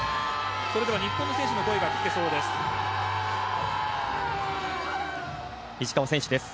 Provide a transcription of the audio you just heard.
それでは日本の選手の声が聞けそうです。